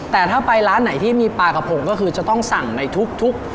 แต่ถ้าไปร้านไหนที่มีปลากระพงก็คือจะต้องสั่งในทุก